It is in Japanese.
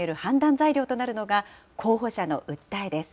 材料となるのが、候補者の訴えです。